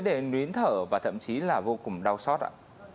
đến nguyến thở và thậm chí là vô cùng đau xót ạ